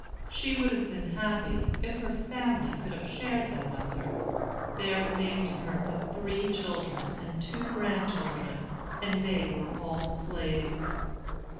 She would have been happy, if her family could have shared them with her. There remained to her but three children and two grandchildren; and they were all slaves.